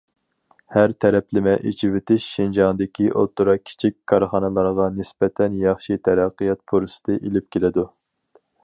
ھەر تەرەپلىمە ئېچىۋېتىش شىنجاڭدىكى ئوتتۇرا، كىچىك كارخانىلارغا نىسبەتەن ياخشى تەرەققىيات پۇرسىتى ئېلىپ كېلىدۇ.